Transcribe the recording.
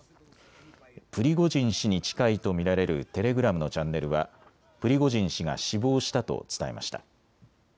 プリゴジン氏に近いと見られるテレグラムのチャンネルはプリゴジン氏が死亡したと伝えました。